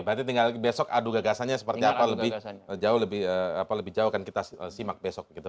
berarti tinggal lagi besok aduh gagasannya seperti apa lebih jauh akan kita simak besok gitu